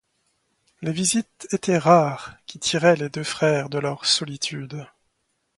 Les visites étaient rares, qui tiraient les deux frères de leur solitude.